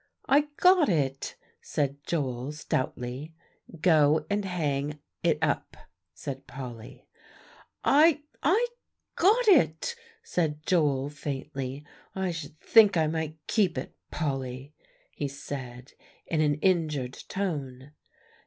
"I got it," said Joel stoutly. "Go and hang it up," said Polly. "I I got it," said Joel faintly "I sh'd think I might keep it, Polly," he said in an injured tone.